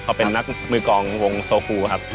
เขาเป็นนักมือกองวงโซฟูครับ